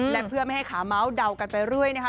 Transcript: และเพื่อไม่ให้ขาเมาส์เดากันไปเรื่อยนะคะ